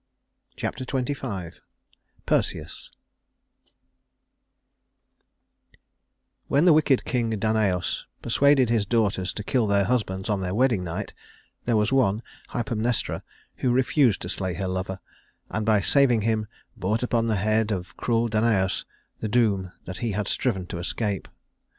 Chapter XXV Perseus When the wicked King Danaüs persuaded his daughters to kill their husbands on their wedding night, there was one, Hypermnestra, who refused to slay her lover, and by saving him brought upon the head of cruel Danaüs the doom that he had striven to escape.